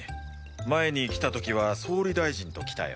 前に来た時は総理大臣と来たよ。